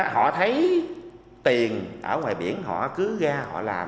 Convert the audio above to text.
họ thấy tiền ở ngoài biển họ cứ ra họ làm